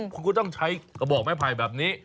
ก็เลยคุณต้องใช้กระบบไม้ไผ่แบบนี้